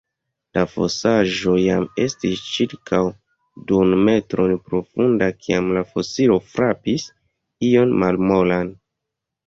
La fosaĵo jam estis ĉirkaŭ duonmetron profunda, kiam la fosilo frapis ion malmolan.